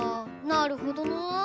なるほどな。